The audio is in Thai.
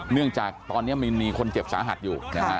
เนื่องจากตอนนี้มีคนเจ็บสาหัสอยู่นะฮะ